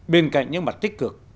bên cạnh những mặt tích cực